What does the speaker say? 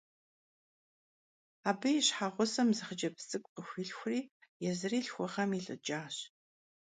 Abı yi şheğusem zı xhıcebz ts'ık'u khıxuilhxuri yêzıri lhxuğem yilh'ıç'aş.